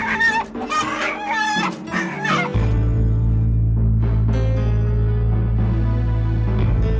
kau yang selalu memusahi ayahku